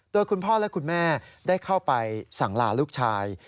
โดยคุณพ่อและคุณแม่ได้เข้าไปสั่งลาลูกชาย